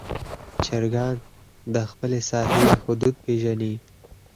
چرګان د خپل ساحې حدود پېژني.